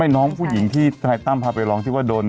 น้องผู้หญิงที่ทนายตั้มพาไปร้องที่ว่าโดน